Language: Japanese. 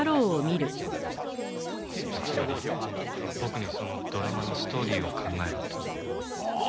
つまり僕にそのドラマのストーリーを考えろと？はあ